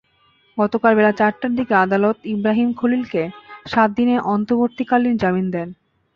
গতকাল বেলা চারটার দিকে আদালত ইব্রাহিম খলিলকে সাত দিনের অন্তর্বর্তীকালীন জামিন দেন।